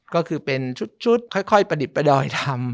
ก็คือเป็นชุดค่อยประดิบประดอยทำ